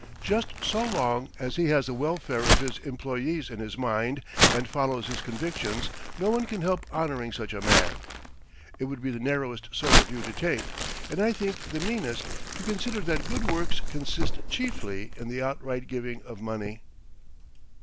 Just so long as he has the welfare of his employees in his mind and follows his convictions, no one can help honouring such a man. It would be the narrowest sort of view to take, and I think the meanest, to consider that good works consist chiefly in the outright giving of money.